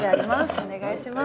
お願いします。